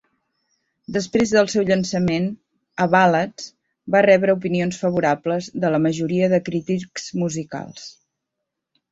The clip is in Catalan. Després del seu llançament, "A Ballads" va rebre opinions favorables de la majoria de crítics musicals.